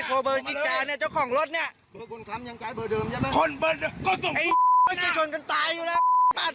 โบี่งปาบุรีไปประจวบไหมดิ